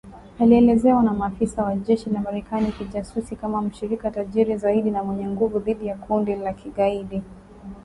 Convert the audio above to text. Alielezewa na maafisa wa jeshi la Marekani na kijasusi kama mshirika tajiri zaidi na mwenye nguvu dhidi ya kundi la kigaidi.